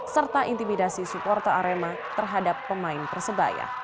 serta intimidasi supporter arema terhadap pemain persebaya